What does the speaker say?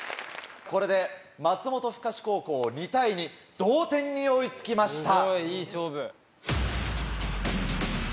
これで松本深志高校２対２同点に追い付きました。